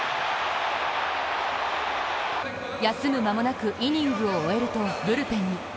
休む間もなく、イニングを終えるとブルペンに。